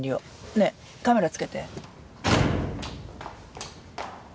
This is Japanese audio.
ねえカメラ付けて。